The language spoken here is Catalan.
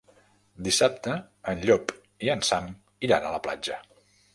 Dissabte en Llop i en Sam iran a la platja.